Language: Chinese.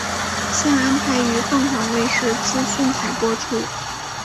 现安排于凤凰卫视资讯台播出。